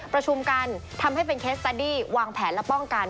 ประชุมกันทำให้เป็นเคสตาดี้วางแผนและป้องกัน